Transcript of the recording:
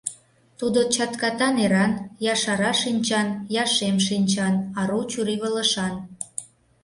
Тудо чатката неран я шара шинчан, я шем шинчан, ару чурийвылышан.